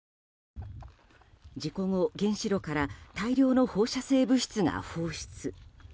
事故後、原子炉から大量の放射性物質が放出。